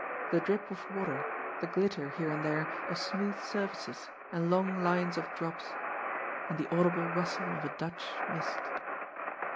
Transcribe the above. The drip of water, the glitter here and there of smooth sur faces, and long lines of drops. And the audible rustle of a Dutch mist.